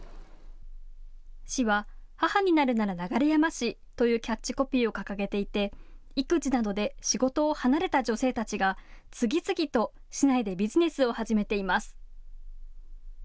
市は、母になるなら流山市というキャッチコピーを掲げていて育児などで仕事を離れた女性たちが次々と市内でビジネスを始めています。